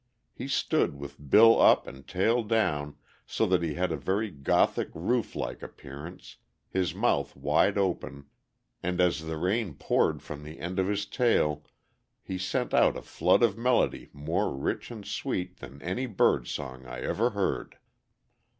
He stood with bill up and tail down so that he had a very "Gothic roof like" appearance, his mouth wide open, and as the rain poured from the end of his tail he sent out a flood of melody more rich and sweet than any bird song I ever heard.